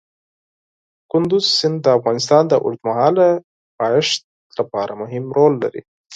کندز سیند د افغانستان د اوږدمهاله پایښت لپاره مهم رول لري.